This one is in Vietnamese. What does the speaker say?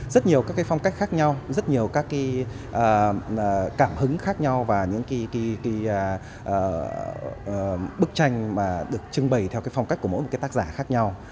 rất nhiều các phong cách khác nhau rất nhiều các cảm hứng khác nhau và những bức tranh được trưng bày theo phong cách của mỗi tác giả khác nhau